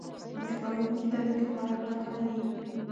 بشپړوونکې دانې د خوراک برخه وي.